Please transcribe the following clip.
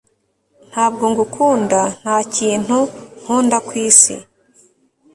ntabwo ngukunda, nta kintu nkunda ku isi